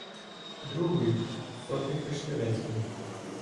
Другою - сотник Вишневецький.